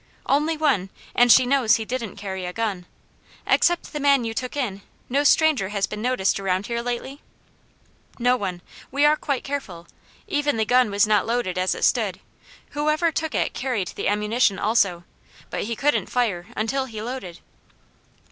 "Only one, and she knows he didn't carry a gun. Except the man you took in, no stranger has been noticed around here lately?" "No one. We are quite careful. Even the gun was not loaded as it stood; whoever took it carried the ammunition also, but he couldn't fire until he loaded."